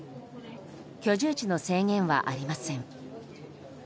居住地の制限はありません。